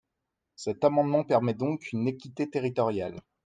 Cet amendement permet donc une équité territoriale.